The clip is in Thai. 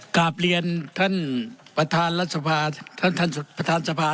กลับเรียนท่านประธานรัฐสภาท่านท่านประธานสภา